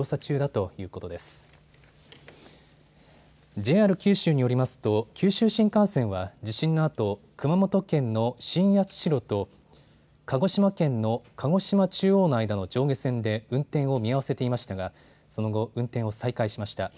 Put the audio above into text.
ＪＲ九州によりますと九州新幹線は地震のあと熊本県の新八代と鹿児島県の鹿児島中央の間の上下線で運転を見合わせていましたがその後、運転を再開しました。